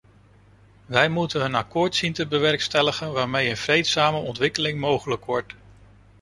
Wij moeten een akkoord zien te bewerkstelligen waarmee een vreedzame ontwikkeling mogelijk wordt.